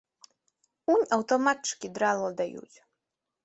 Унь аўтаматчыкі драла даюць.